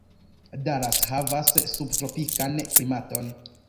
Dallas havas subtropikan klimaton.